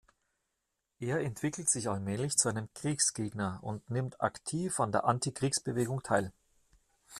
Er entwickelt sich allmählich zu einem Kriegsgegner und nimmt aktiv an der Antikriegsbewegung teil.